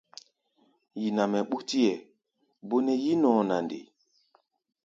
Yi nɛ mɛ ɓútí hɛ̧ɛ̧, bó nɛ́ yí-nɔɔ na nde?